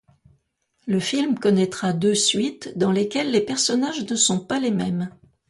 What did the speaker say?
Le film connaitra deux suites, dans lesquelles les personnages ne sont pas les mêmes.